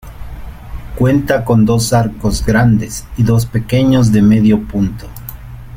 Cuenta con dos arcos grandes y dos pequeños de medio punto.